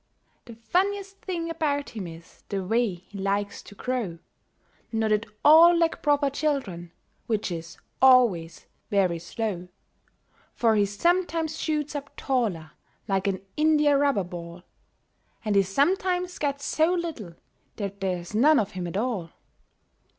The funniest thing about him is the way he likes to grow— Not at all like proper children, which is always very slow; For he sometimes shoots up taller like an india rubber ball, And he sometimes gets so little that there's none of him at all.